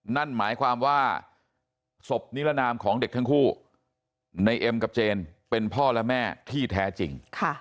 นั่นหมายความว่าศพนิรนามของเด็กทั้งคู่ในเอ็มกับเจนเป็นพ่อและแม่ที่แท้จริง